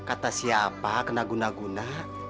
kata siapa kena guna guna